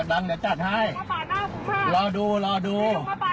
เดี๋ยวรอดู